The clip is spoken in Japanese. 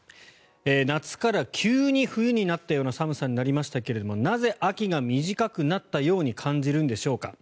夏から急に冬になったような寒さになりましたがなぜ秋が短くなったように感じるんでしょうか。